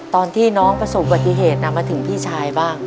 ตอนที่น้องประสบปฏิเหตุมาถึงพี่ชายบ้าง